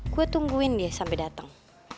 gue tungguin dia sampai datang